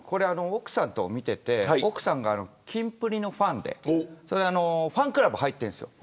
奥さんと見ていて奥さんがキンプリのファンでファンクラブ入ってるんですよ。